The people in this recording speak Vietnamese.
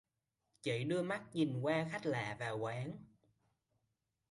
Chỉ đưa mắt nhìn qua khách lạ vào quán